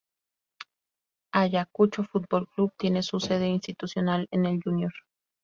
Ayacucho Futbol Club tiene su sede institucional en el Jr.